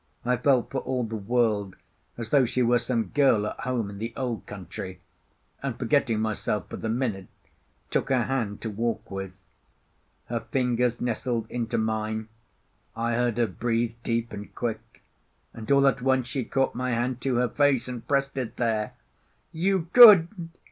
I felt for all the world as though she were some girl at home in the Old Country, and, forgetting myself for the minute, took her hand to walk with. Her fingers nestled into mine, I heard her breathe deep and quick, and all at once she caught my hand to her face and pressed it there. "You good!"